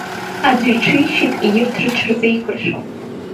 Аӡәы иҽишьит, егьырҭ рҽырзеиқәыршәом.